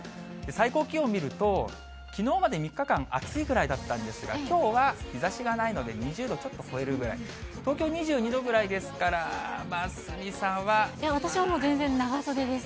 最高気温見ると、きのうまで３日間、暑いくらいだったんですが、きょうは日ざしがないので、２０度ちょっと超えるぐらい、東京２２度ぐらいですから、私はもう、全然長袖です。